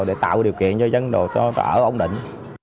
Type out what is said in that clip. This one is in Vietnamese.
để tạo điều kiện cho dân đồ cho ở ổn định